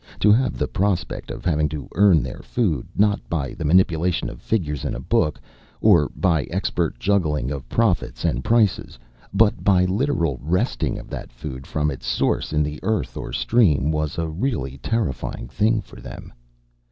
To have the prospect of having to earn their food, not by the manipulation of figures in a book, or by expert juggling of profits and prices, but by literal wresting of that food from its source in the earth or stream was a really terrifying thing for them.